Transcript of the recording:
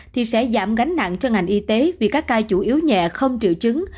thì sẽ giảm gánh nặng cho ngành y tế vì các ca chủ yếu nhẹ không triệu chứng